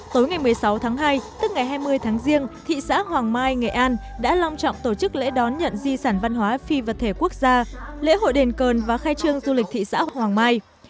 tối ngày một mươi sáu tháng hai tức ngày hai mươi tháng riêng thị xã hoàng mai nghệ an đã long trọng tổ chức lễ đón nhận di sản văn hóa phi vật thể quốc gia lễ hội đền cờ và khai trương du lịch thị xã hoàng mai